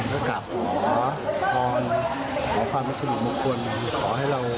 ก็กลับขอธรรมขอความรักษณีย์บุคคล